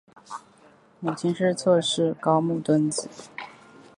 母亲是侧室高木敦子。